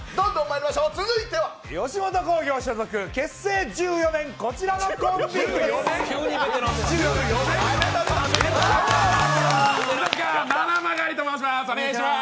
続いては吉本興業所属結成１４年、こちらのコンビです。